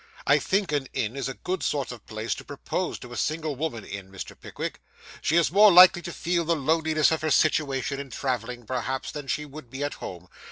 I think an inn is a good sort of a place to propose to a single woman in, Mr. Pickwick. She is more likely to feel the loneliness of her situation in travelling, perhaps, than she would be at home.